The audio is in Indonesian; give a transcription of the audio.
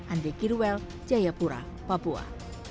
andi kirwel jayapura papua